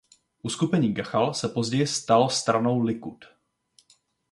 Uskupení Gachal se později stalo stranou Likud.